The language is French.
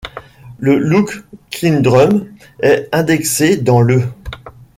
Le Lough Kindrum est indexé dans le .